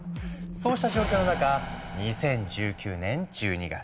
そうした状況の中２０１９年１２月。